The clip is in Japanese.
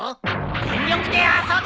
全力で遊ぶ！